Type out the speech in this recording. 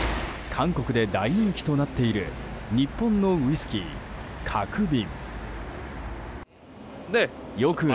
韓国で大人気となっている日本のウイスキー、角瓶。